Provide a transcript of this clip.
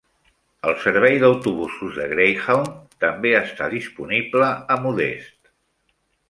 El servei d'autobusos de Greyhound també està disponible a Modesto.